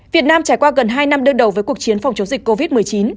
việt nam trải qua gần hai năm đưa đầu với cuộc chiến phòng chủ dịch covid một mươi chín